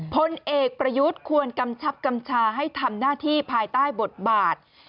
พลเอกประยุทธ์ควรกำชับกำชาให้ทำหน้าที่ภายใต้บทบาท